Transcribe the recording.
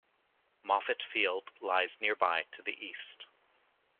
Moffett Field lies nearby to the east.